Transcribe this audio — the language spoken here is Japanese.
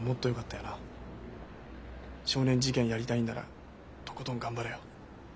少年事件やりたいんならとことん頑張れよ。